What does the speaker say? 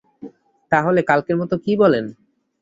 তা হলে কালকের মতো– কী বলেন?